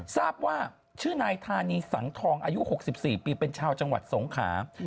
ทราบว่าชื่อนายธานีสังทองอายุ๖๔ปีเป็นชาวจังหวัดสงขา